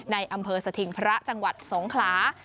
ในอำเภอสถิงพระจังหวัดสงขลา